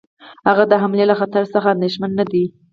هغه د حملې له خطر څخه اندېښمن نه دی.